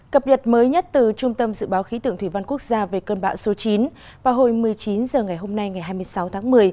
cập nhật mới nhất từ trung tâm dự báo khí tượng thủy văn quốc gia về cơn bão số chín vào hồi một mươi chín h ngày hôm nay ngày hai mươi sáu tháng một mươi